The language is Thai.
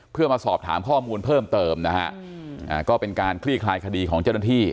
เพื่อมาสอบถามข้อมูลเพิ่มเติมนะฮะก็เป็นการคลี่คลายคดีของเจ้าหน้าที่